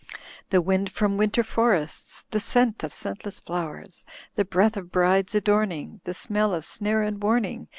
''The wind from winter forests. The scent of scentless flowers. The breath of bride's adorning, The smell of snare and warning.